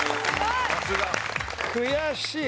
悔しい。